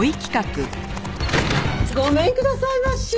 ごめんくださいまし。